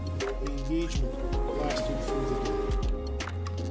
The engagement lasted through the day.